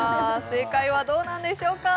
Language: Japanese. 正解はどうなんでしょうか？